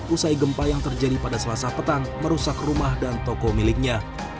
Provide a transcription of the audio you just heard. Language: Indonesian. usai gempa yang terjadi pada selasa petang merusak rumah dan toko miliknya